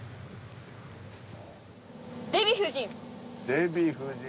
「デヴィ夫人」。